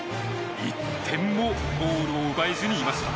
１点もゴールも奪えずにいました。